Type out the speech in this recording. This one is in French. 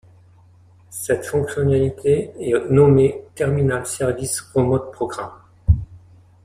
Cette fonctionnalité est nommée Terminal Services Remote Programs.